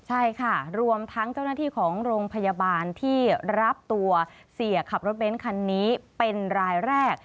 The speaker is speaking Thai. ใช่ค่ะรวมทั้งเจ้าหน้าที่ของโรงพยาบาลที่รับตัวเสียขับรถเบ้นคันนี้เป็นรายแรก